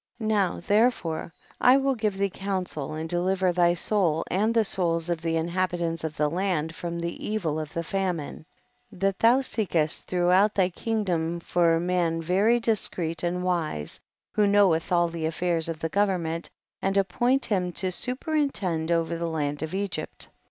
57. Now tlierefo7 e I will give thee counsel and deliver thy soul and the souls of the inhabitants of the land from the evil of the famine, that thou seek throughout thy king dom for a man very discreet and wise, who knoweth all the affairs of government, and appoint him to superintend* over the land of Egypt.